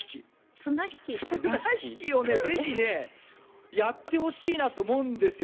綱引きをぜひやってほしいなと思うんですよ。